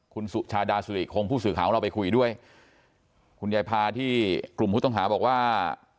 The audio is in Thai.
คุณสุชาดาสุริคงผู้สื่อข่าวของเราไปคุยด้วยคุณยายพาที่กลุ่มผู้ต้องหาบอกว่า